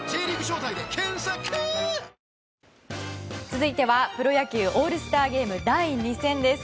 続いてはプロ野球オールスターゲーム第２戦です。